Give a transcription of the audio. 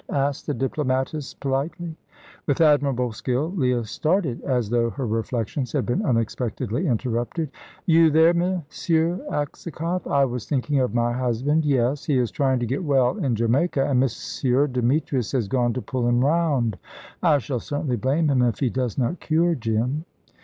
asked the diplomatist, politely. With admirable skill Leah started, as though her reflections had been unexpectedly interrupted. "You there, M. Aksakoff? I was thinking of my husband yes. He is trying to get well in Jamaica, and M. Demetrius has gone to pull him round. I shall certainly blame him if he does not cure Jim."